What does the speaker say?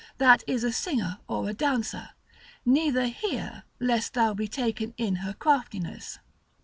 that is a singer, or a dancer; neither hear, lest thou be taken in her craftiness.